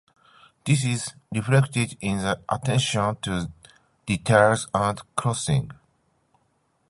This is reflected in the attention to details and clothing.